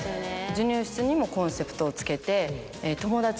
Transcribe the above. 授乳室にもコンセプトをつけて。